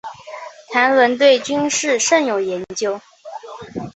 谭纶对军事甚有研究。